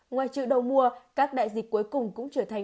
ngoài chợ đầu mùa các đại dịch cuối cùng cũng trở thành